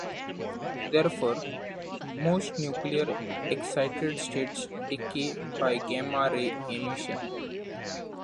Therefore, most nuclear excited states decay by gamma ray emission.